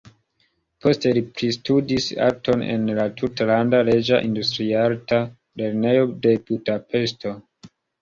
Poste li pristudis arton en la Tutlanda Reĝa Industriarta Lernejo de Budapeŝto.